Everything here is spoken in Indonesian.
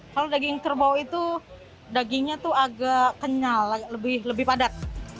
kalau daging kerbau itu dagingnya itu agak kenyal lebih padat